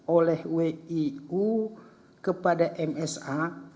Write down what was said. oleh wiu kepada msa